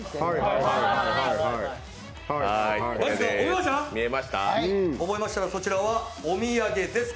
覚えましたらそちらはお土産です。